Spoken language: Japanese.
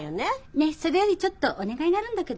ねえそれよりちょっとお願いがあるんだけど。